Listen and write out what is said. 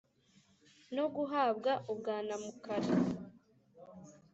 no guhabwa u bwanamukari